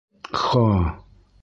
К-хо!